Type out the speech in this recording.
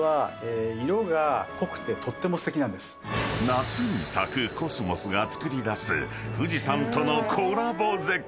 ［夏に咲くコスモスがつくり出す富士山とのコラボ絶景］